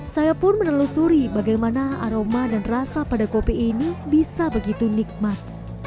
saya pun menelusuri bagaimana aroma dan rasa pada kopi ini bisa begitu nikmat